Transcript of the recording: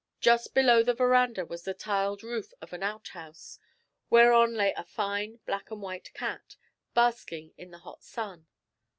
Just below the verandah was the tiled roof of an outhouse, whereon lay a fine black and white cat, basking in the hot sun.